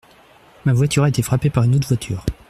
Ma voiture a été frappée par une autre voiture.